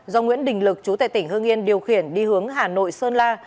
do nguyễn đình lực chú tại tỉnh hương yên điều khiển đi hướng hà nội sơn la